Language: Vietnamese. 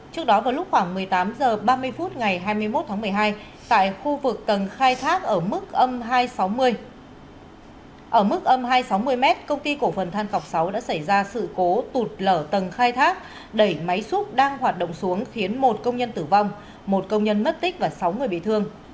trước đó vào lúc khoảng một mươi tám h ba mươi phút ngày hai mươi một tháng một mươi hai tại khu vực tầng khai thác ở mức âm hai trăm sáu mươi m công ty cổ phần than cọc sáu đã xảy ra sự cố tụt lở tầng khai thác đẩy máy xúc đang hoạt động xuống khiến một công nhân tử vong một công nhân mất tích và sáu người bị thương